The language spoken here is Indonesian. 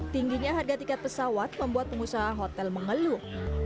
tingginya harga tiket pesawat membuat pengusaha hotel mengeluh